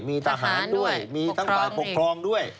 มีทหารด้วยมีทั้งฝ่ายปกครองด้วย